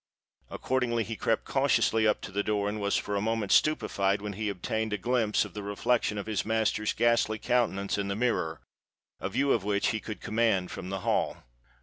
Accordingly he crept cautiously up to the door, and was for a moment stupified when he obtained a glimpse of the reflection of his master's ghastly countenance in the mirror, a view of which he could command from the hall.